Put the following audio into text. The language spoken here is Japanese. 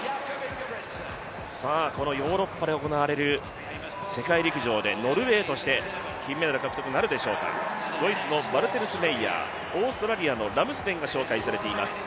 このヨーロッパで行わせる世界陸上で、金メダル獲得なるでしょうか、ドイツのバルテルスメイヤー、オーストラリアのラムスデンが紹介されています。